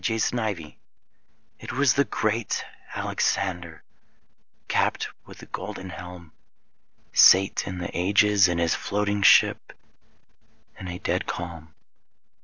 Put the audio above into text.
Alexander It was the Great Alexander, Capped with a golden helm, Sate in the ages, in his floating ship, In a dead calm.